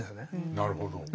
なるほど。